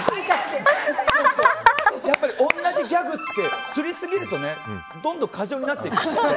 やっぱり同じギャグって擦りすぎるとどんどん過剰になっていくの。